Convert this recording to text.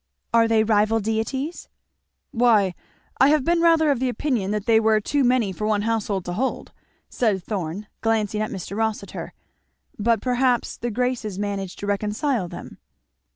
"Are they rival deities?" "Why I have been rather of the opinion that they were too many for one house to hold," said Thorn glancing at Mr. Rossitur. "But perhays the Graces manage to reconcile them!"